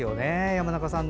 山中さん